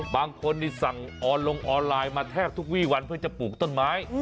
บางคนนี่สั่งลงออนไลน์มาแทบทุกวี่วันเพื่อจะปลูกต้นไม้